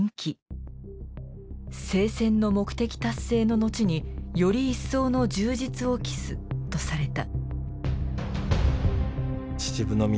「聖戦の目的達成の後により一層の充実を期す」とされた。